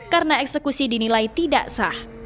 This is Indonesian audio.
karena eksekusi dinilai tidak sah